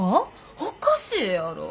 おかしいやろ？